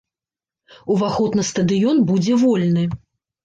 Уваход на стадыён будзе вольны.